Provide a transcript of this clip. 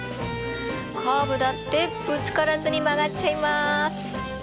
カーブだってぶつからずに曲がっちゃいます。